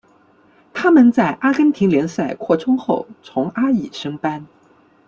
他们在阿根廷联赛扩充后从阿乙升班。